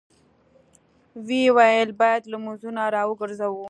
ويې ويل: بايد لمونځونه راوګرځوو!